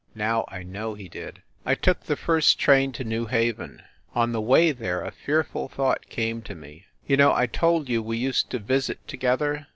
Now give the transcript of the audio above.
Now I know he did. I took the first train to New Haven. On th^ way there a fearful thought came to me. You know I told you we used to visit together